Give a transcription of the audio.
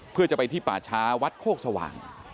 เพื่อจะไปที่ป่าช้าวัดโคกสว่าง